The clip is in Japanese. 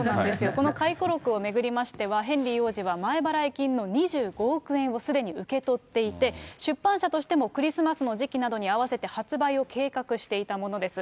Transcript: この回顧録を巡りましては、ヘンリー王子は前払い金の２５億円をすでに受け取っていて、出版社としても、クリスマスの時期などに合わせて、発売を計画していたものです。